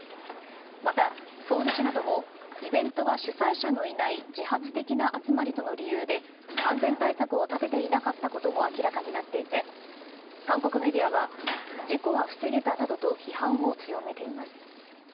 また、ソウル市などもイベントは主催者のいない自発的な集まりとの理由で安全対策を立てていなかったことも明らかになっていて韓国メディアはあと１周！